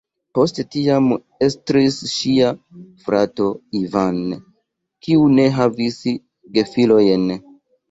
Poste tiam estris ŝia frato "Ivan", kiu ne havis gefilojn.